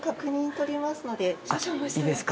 いいですか？